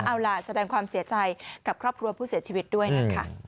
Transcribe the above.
เอาล่ะแสดงความเสียใจกับครอบครัวผู้เสียชีวิตด้วยนะคะ